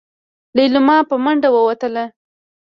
ليلما په منډه ووتله.